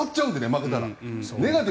負けたら。